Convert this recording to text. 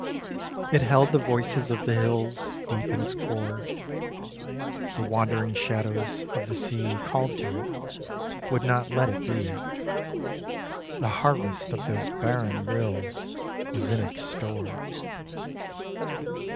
It held the voices of the hills Deep in its core; The wandering shadows of the sea Called to it, would not let it be; The harvest of those barren rills Was in its store.